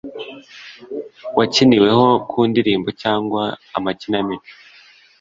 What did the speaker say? wakiniweho ku ndirimbo cyangwa amakinamico